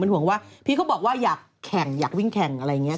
ห่วงว่าพี่เขาบอกว่าอยากแข่งอยากวิ่งแข่งอะไรอย่างนี้